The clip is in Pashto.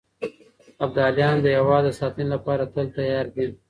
ابداليان د هېواد د ساتنې لپاره تل تيار دي.